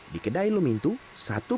di kedai lemintu